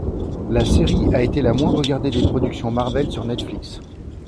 La série a été la moins regardée des productions Marvel sur Netflix.